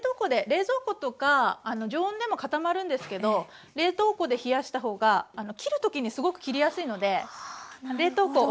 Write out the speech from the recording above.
冷蔵庫とか常温でも固まるんですけど冷凍庫で冷やした方があの切る時にすごく切りやすいので。はなるほど。